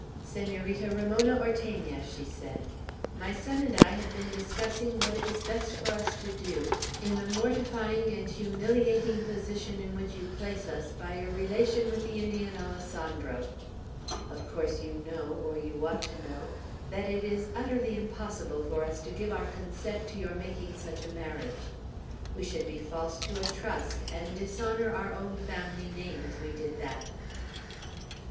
"Senorita Ramona Ortegna," she said, "my son and I have been discussing what it is best for us to do in the mortifying and humiliating position in which you place us by your relation with the Indian Alessandro. Of course you know or you ought to know that it is utterly impossible for us to give our consent to your making such a marriage; we should be false to a trust, and dishonor our own family name, if we did that."